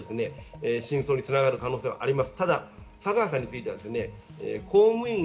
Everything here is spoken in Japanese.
真相に繋がる可能性があります。